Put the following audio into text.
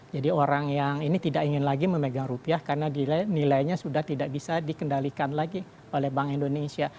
jadi orang yang ini tidak ingin lagi memegang rupiah karena nilainya sudah tidak bisa dikendalikan lagi oleh bank indonesia